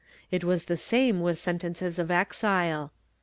^ It was the same with sentences of exile.